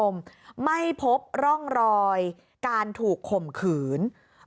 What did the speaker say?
ไม่พบร่องรอยการถูกข่มขืน